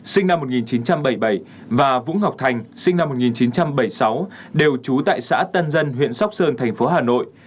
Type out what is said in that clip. sinh năm một nghìn chín trăm bảy mươi bảy và vũ ngọc thành sinh năm một nghìn chín trăm bảy mươi sáu đều trú tại xã tân dân huyện sóc sơn thành phố hà nội